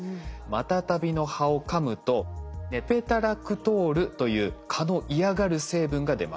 マタタビの葉をかむとネペタラクトールという蚊の嫌がる成分が出ます。